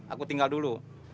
aku tinggal dulu